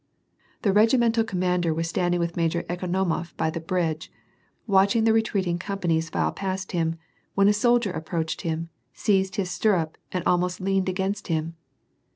The regimental commander was standing with Major Eko Doraof by the bridge, watching the retreating companies file past him, when a soldier approached him, seized his stirrup, and almost leaned against him.